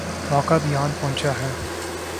موقع بھی آن پہنچا ہے۔